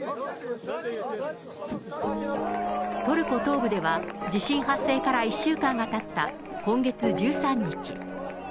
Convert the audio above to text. トルコ東部では、地震発生から１週間がたった今月１３日。